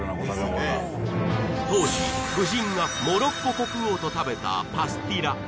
当時夫人がモロッコ国王と食べたパスティラ